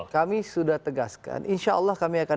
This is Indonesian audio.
kami sudah tegaskan insya allah kami akan